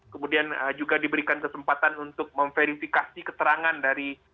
kemudian juga diberikan kesempatan untuk memverifikasi keterangan dari